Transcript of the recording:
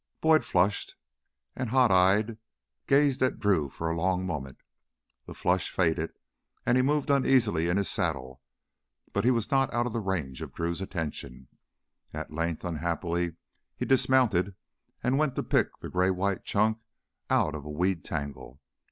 Boyd, flushed and hot eyed, gazed at Drew for a long moment. The flush faded and he moved uneasily in his saddle, but not out of the range of Drew's attention. At length, unhappily, he dismounted and went to pick the gray white chunk out of a weed tangle.